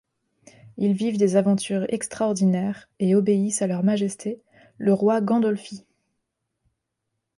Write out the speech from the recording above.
Ils vivent des aventures extraordinaires et obéissent à leur majesté, le roi Gandolfi.